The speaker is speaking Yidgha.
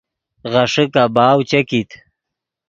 غیݰے کباؤ چے کیت